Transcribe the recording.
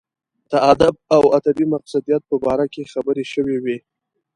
د ادب او ادبي مقصدیت په باره کې خبرې شوې وې.